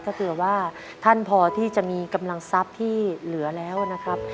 ถ้าเผื่อว่าท่านพอที่จะมีกำลังทรัพย์ที่เหลือแล้วนะครับ